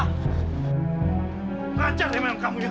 rancang deh memang kamu ya